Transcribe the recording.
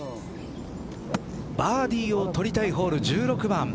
バーディーを取りたいホール１６番。